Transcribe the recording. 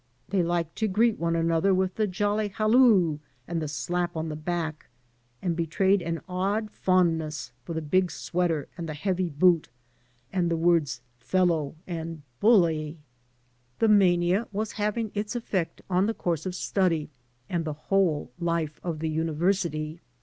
They liked to greet one another with the jolly halloo, and the slap on the back, and betrayed an odd fondness for the big sweater and the heavy boot and the words "fellow" and "bully." 248 HARVEY The mania was having its effect on the course of study and the whole life of the university.